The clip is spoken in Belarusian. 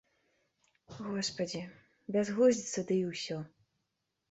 Госпадзі, бязглуздзіца ды і ўсё.